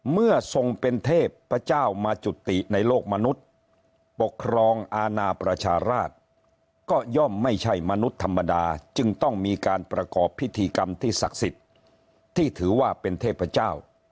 เมื่อทรงเป็นเทพเจ้ามาจุติในโลกมนุษย์ปกครองอาณาประชาราชก็ย่อมไม่ใช่มนุษย์ธรรมดาจึงต้องมีการประกอบพิธีกรรมที่ศักดิ์สิทธิ์ที่ถือว่าเป็นเทพเจ้า